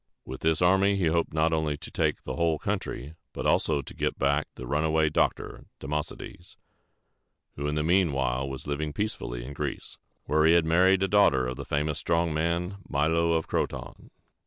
With this army he hoped not only to take the whole country, but also to get back the runaway doctor, Democedes, who in the mean while was living peacefully in Greece, where he had married a daughter of the famous strong man, Milo of Croton.